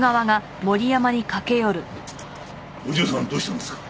お嬢さんはどうしたんですか？